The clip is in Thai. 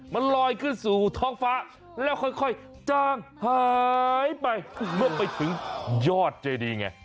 มันลอยขึ้นสู่ท้องฟ้าแล้วค่อยจ้างหายไปเมื่อไปถึงยอดเจดีไง